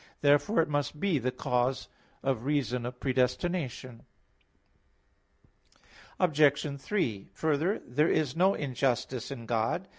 Therefore it must be the cause of reason of predestination. Obj. 3: Further, "There is no injustice in God" (Rom.